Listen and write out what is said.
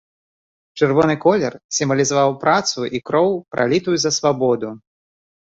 Чырвоны колер сімвалізаваў працу і кроў, пралітую за свабоду.